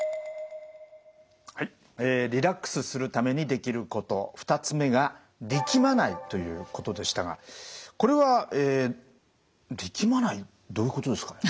はいリラックスするためにできること２つ目が力まないということでしたがこれはえ力まないどういうことですかね？